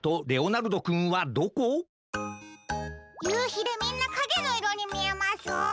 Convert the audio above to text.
ゆうひでみんなかげのいろにみえます。